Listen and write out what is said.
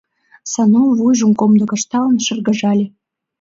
Сану, вуйжым комдык ышталын, шыргыжале.